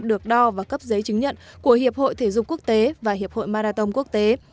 được đo và cấp giấy chứng nhận của hiệp hội thể dục quốc tế và hiệp hội marathon quốc tế